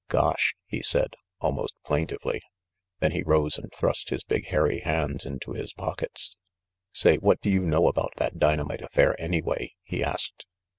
"Gosh!" he said almost plain tively. Then he rose and thrust his big hairy hands into his pockets. "Say, what do you know about that dynamite affair, anyway?" he asked.